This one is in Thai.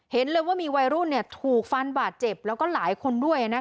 เห็นเลยว่ามีวัยรุ่นถูกฟันบาดเจ็บแล้วก็หลายคนด้วย